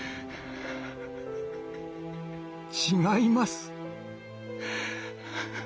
違います。